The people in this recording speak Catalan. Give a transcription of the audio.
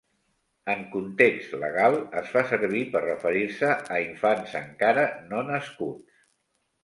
En context legal es fa servir per referir-se a infants encara no nascuts.